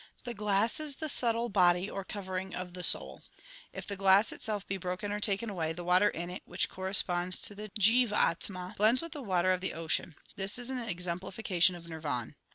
The glass is the subtile body or covering of the soul. If the glass itself be broken or taken away, the water in it, which corresponds to the jivatama, blends with the water of the ocean. This is an exemplification of Nirvan.